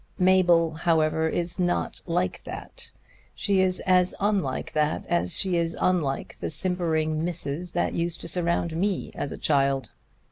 Mabel, however, is not like that. She is as unlike that as she is unlike the simpering misses that used to surround me as a child.